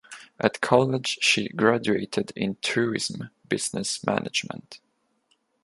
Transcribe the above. At college she graduated in Tourism Business Management.